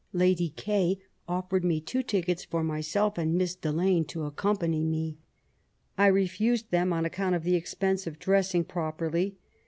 Lady K. offered me two tickets for myself and Miss Delane to accompany me. I refused them on account of the expense of dressing properly.